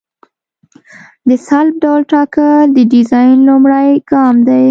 د سلب ډول ټاکل د ډیزاین لومړی ګام دی